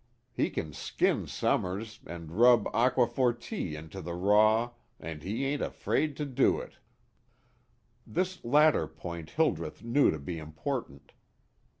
He can skin Summers, and rub aqua fortis into the raw, and he ain't afraid to do it." This latter point Hildreth knew to be important.